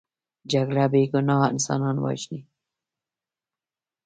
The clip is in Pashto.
جګړه بې ګناه انسانان وژني